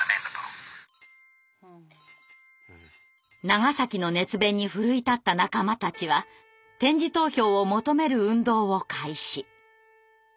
長の熱弁に奮い立った仲間たちは点字投票を求める運動を開始。